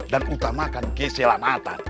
dan utamakan keselamatan